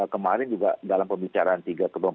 kemarin juga dalam pembicaraan tiga ketua